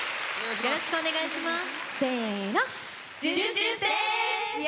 よろしくお願いします。